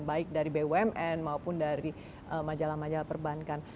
baik dari bumn maupun dari majalah majalah perbankan